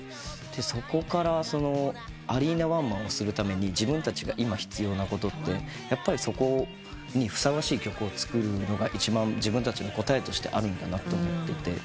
そこからアリーナワンマンをするために自分たちが今必要なことってやっぱりそこにふさわしい曲を作るのが一番自分たちの答えとしてあるんだなと思っていて。